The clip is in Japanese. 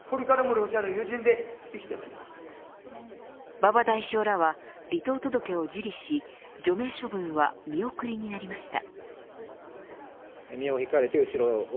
馬場代表らは離党届を受理し除名処分は見送りになりました。